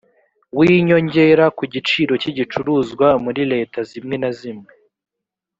winyongera ku giciro cy igicuruzwa muri leta zimwe na zimwe